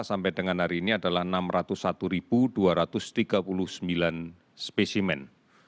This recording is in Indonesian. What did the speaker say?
sampai dengan hari ini adalah enam ratus satu dua ratus tiga puluh sembilan spesimen